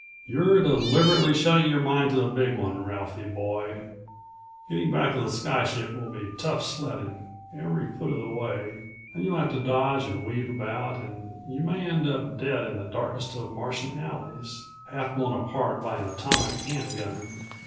You're deliberately shutting your mind to the Big One, Ralphie boy. Getting back to the sky ship will be tough sledding, every foot of the way, and you'll have to dodge and weave about and you may end up dead in the darkest of Martian alleys, half blown apart by an atomic hand gun.